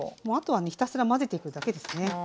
もうあとはねひたすら混ぜていくだけですね。